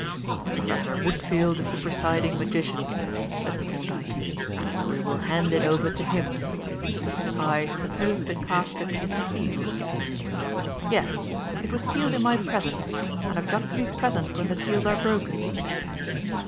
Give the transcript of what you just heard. "Professor Woodfield is the presiding magician," said Thorndyke, "so we will hand it over to him. I suppose the casket is sealed?" "Yes; it was sealed in my presence, and I've got to be present when the seals are broken."